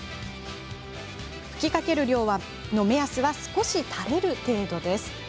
吹きかける量の目安は少し垂れる程度です。